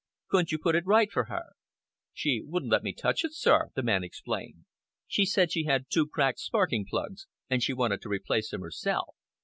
Couldn't you put it right for her?" "She wouldn't let me touch it, sir," the man explained. "She said she had two cracked sparking plugs, and she wanted to replace them herself.